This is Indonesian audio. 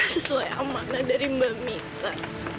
pesona dilepon sama rumahnego